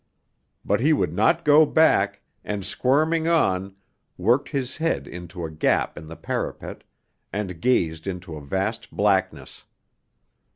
But he would not go back, and squirming on worked his head into a gap in the parapet, and gazed into a vast blackness.